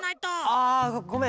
あごめん。